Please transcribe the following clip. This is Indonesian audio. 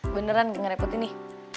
beneran gak ngerepotin nih